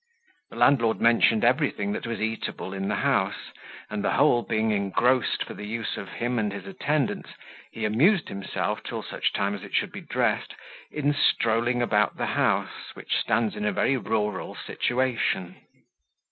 The landlord mentioned everything that was eatable in the house; and the whole being engrossed for the use of him and his attendants, he amused himself, till such time as it should be dressed, in strolling about the house, which stands in a very rural situation.